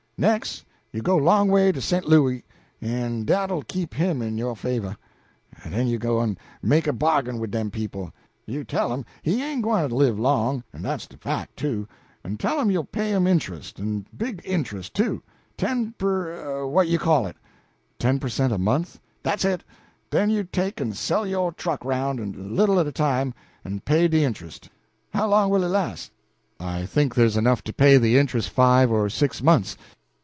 Nex', you'll go 'long away to Sent Louis, en dat'll keep him in yo' favor. Den you go en make a bargain wid dem people. You tell 'em he ain't gwyne to live long en dat's de fac', too, en tell 'em you'll pay 'em intrust, en big intrust, too, ten per what you call it?" "Ten per cent. a month?" "Dat's it. Den you take and sell yo' truck aroun', a little at a time, en pay de intrust. How long will it las'?" "I think there's enough to pay the interest five or six months."